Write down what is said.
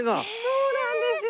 そうなんですよ。